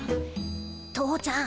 父ちゃん。